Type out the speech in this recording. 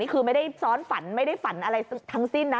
คือไม่ได้ซ้อนฝันไม่ได้ฝันอะไรทั้งสิ้นนะ